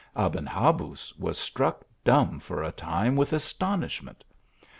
Aben Habuz was struck dumb for a time with astonish ment.